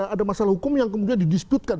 ada masalah hukum yang kemudian didisdutkan